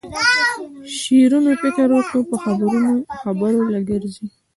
شیرینو فکر وکړ په خبرو نه ګرځي.